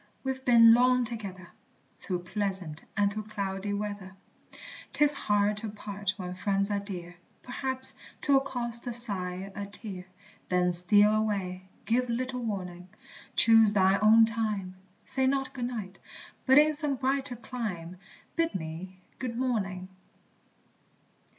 we've been long together, Through pleasant and through cloudy weather; 'Tis hard to part when friends are dear, Perhaps 'twill cost a sigh, a tear: Then steal away, give little warning, Choose thine own time; Say not Good Night, but in some brighter clime Bid me Good Morning.